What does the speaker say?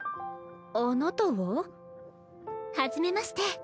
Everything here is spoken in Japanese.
あなたは？はじめまして。